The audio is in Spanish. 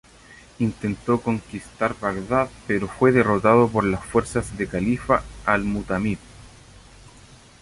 Intentó conquistar Bagdad pero fue derrotado por las fuerzas del califa al-Mu'tamid.